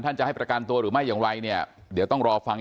จะให้ประกันตัวหรือไม่อย่างไรเนี่ยเดี๋ยวต้องรอฟัง